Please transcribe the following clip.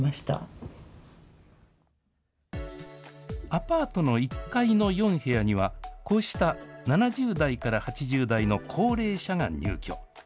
アパートの１階の４部屋には、こうした７０代から８０代の高齢者が入居。